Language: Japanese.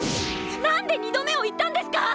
なんで２度目を言ったんですか！？